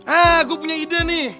ah gua punya ide nih